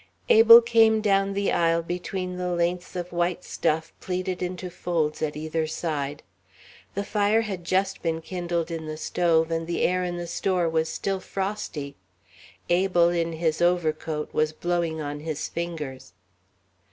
Abel came down the aisle between the lengths of white stuff plaited into folds at either side. The fire had just been kindled in the stove, and the air in the store was still frosty. Abel, in his overcoat, was blowing on his fingers.